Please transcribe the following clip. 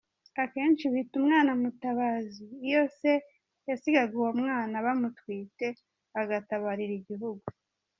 Akenshi bita umwana mutabazi iyo se yasigaga uwo mwana bamutwite agatabarira igihugu.